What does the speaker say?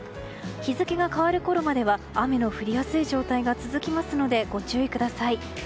日付が変わるころまでは雨の降りやすい状態が続きますので、ご注意ください。